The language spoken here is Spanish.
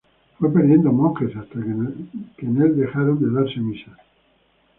Fue perdiendo monjes hasta que en el dejaron de darse misas.